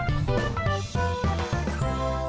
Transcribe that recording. ไม่เบกไม่เบกด้วยนะ